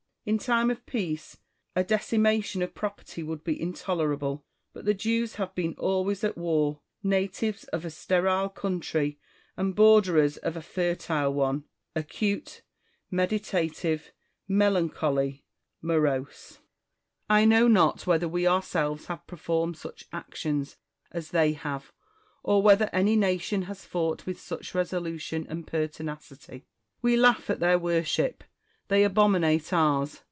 In time of peace, a decimation of property would be intoleral)le. But the Jews have been always at war ; natives of a sterile country and borderers of a fertile one, acute, meditative, melancholy, morose. I know not 328 IMA GINAR V CONFERS A TTONS. whether we ourselves have pei'formed such actions as they have, or whether any nation has fought with such resolu tion and pertinacity. We laugh at their worship : they abominate ours.